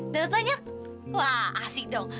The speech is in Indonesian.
udah banyak wah asik dong